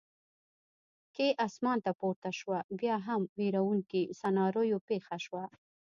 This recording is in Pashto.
کې اسمان ته پورته شوه، بیا هم وېروونکې سناریو پېښه شوه.